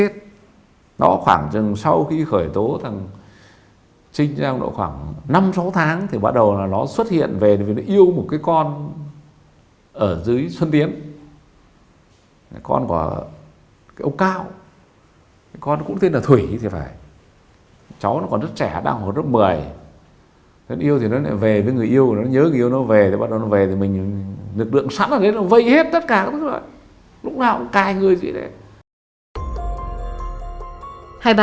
thân yêu thì nó lại về với người yêu nó nhớ người yêu nó về bắt đầu nó về thì mình lực lượng sẵn ở đấy nó vây hết tất cả lúc nào cũng cai người gì đấy